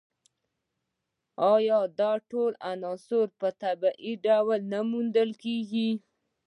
ایا دا ټول عناصر په طبیعي ډول موندل کیږي